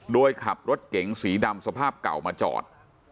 โดยขับรถเก๋งสีดำสภาพเก่ามาจอด